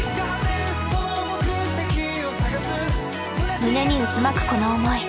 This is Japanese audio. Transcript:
胸に渦巻くこの思い。